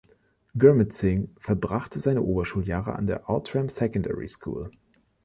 Gurmit Singh verbrachte seine Oberschuljahre an der „Outram Secondary School“.